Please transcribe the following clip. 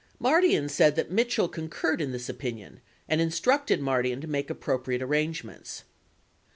Mardian said that Mitchell con curred in this opinion and instructed Mardian to make the appropriate arrangements.